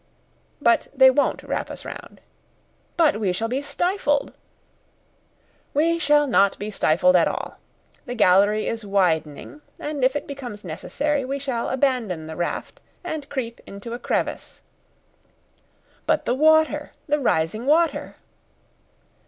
"But they won't wrap us round." "But we shall be stifled." "We shall not be stifled at all. The gallery is widening, and if it becomes necessary, we shall abandon the raft, and creep into a crevice." "But the water the rising water?"